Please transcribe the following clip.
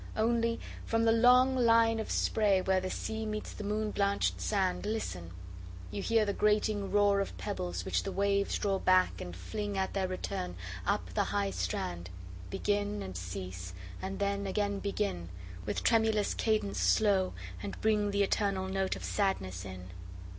Only, from the long line of sprayWhere the sea meets the moon blanch'd sand, Listen! you hear the grating roarOf pebbles which the waves draw back, and fling, At their return, up the high strand, Begin, and cease, and then again begin, With tremulous cadence slow, and bringThe eternal note of sadness in.